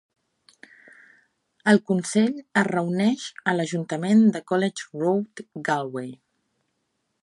El consell es reuneix a l'Ajuntament de College Road, Galway.